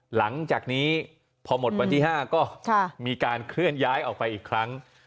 หลังจากนี้พอหมดวันที่๕ก็มีการเคลื่อนย้ายออกไปอีกครั้ง